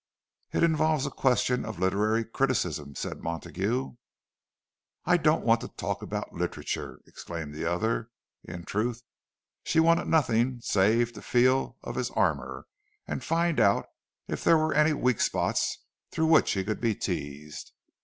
"It involves a question of literary criticism"—said Montague. "I don't want to talk about literature," exclaimed the other. In truth, she wanted nothing save to feel of his armour and find out if there were any weak spots through which he could be teased.